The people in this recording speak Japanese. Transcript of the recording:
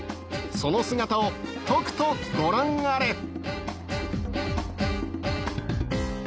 その姿をとくとご覧あれ！